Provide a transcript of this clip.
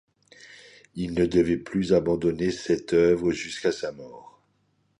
Il ne devait plus abandonner cette œuvre jusqu'à sa mort.